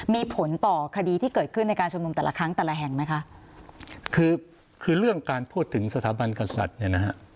มีผลต่อคดีที่เกิดขึ้นในการชุมนุมแต่ละครั้งแต่ละแห่งไหมคะคือคือเรื่องการพูดถึงสถาบันกษัตริย์เนี่ยนะฮะ